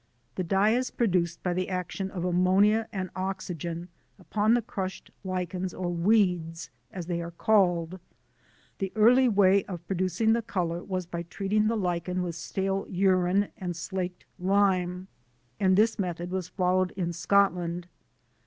The dye is produced by the action of ammonia and oxygen upon the crushed Lichens or weeds as they are called. The early way of producing the colour was by treating the Lichen with stale urine and slaked lime and this method was followed in Scotland.